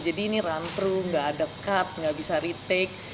jadi ini run through gak ada cut gak bisa retake